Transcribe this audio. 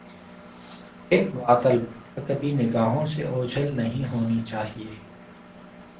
ایک بات البتہ کبھی نگاہوں سے اوجھل نہیں ہونی چاہیے۔